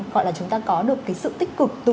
gọi là chúng ta có được cái sự tích cực từ